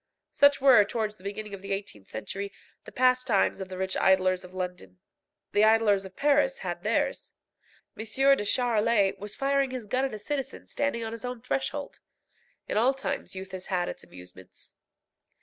Such were, towards the beginning of the eighteenth century, the pastimes of the rich idlers of London. The idlers of Paris had theirs. M. de Charolais was firing his gun at a citizen standing on his own threshold. In all times youth has had its amusements.